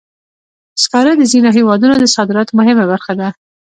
سکاره د ځینو هېوادونو د صادراتو مهمه برخه ده.